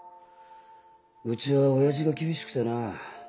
うちは親父が厳しくてな。